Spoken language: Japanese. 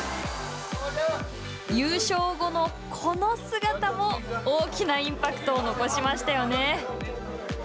優勝後のこの姿も大きなインパクトを残しましたよね。